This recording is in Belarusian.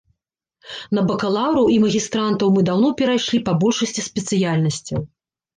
На бакалаўраў і магістрантаў мы даўно перайшлі па большасці спецыяльнасцяў.